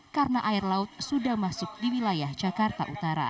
karena air laut sudah masuk di wilayah jakarta utara